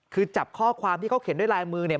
คือจับข้อความที่เขาเขียนด้วยลายมือเนี่ย